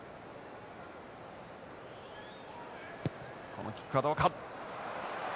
このキックはどうか？